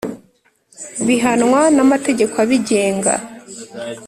bihanwa n'amategeko abigenga